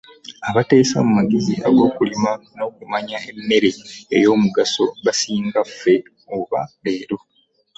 Abateesa mu magezi ag'okulima n'okumanya emmere ey'omugaso basinga ffe aba leero.